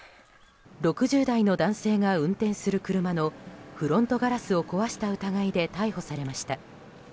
６０代の男性が運転する車のフロントガラスを壊した疑いで逮捕されました。